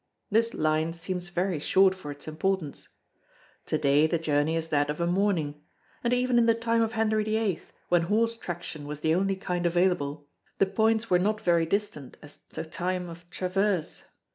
This line seems very short for its importance. To day the journey is that of a morning; and even in the time of Henry VIII when horse traction was the only kind available, the points were not very distant as to time of traverse.